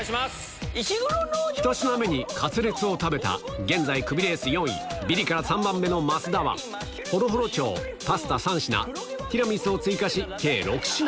１品目にカツレツを食べた、現在クビレース４位、ビリから３番目の増田は、ほろほろ鳥、パスタ３品、ティラミスを追加し、計６品。